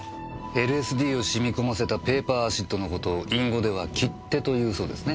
ＬＳＤを染み込ませたペーパーアシッドの事を隠語では切手と言うそうですね。